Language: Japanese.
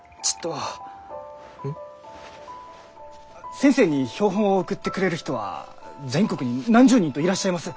先生に標本を送ってくれる人は全国に何十人といらっしゃいます。